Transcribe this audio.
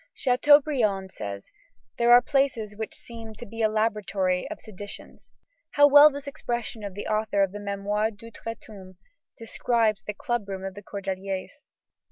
Chateaubriand says: "There are places which seem to be the laboratory of seditions." How well this expression of the author of the Mémoires d'Outre tombe describes the club room of the Cordeliers!